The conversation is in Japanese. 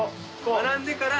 学んでから。